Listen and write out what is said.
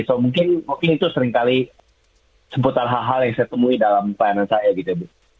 so mungkin itu seringkali sebutan hal hal yang saya temui dalam pelayanan saya gitu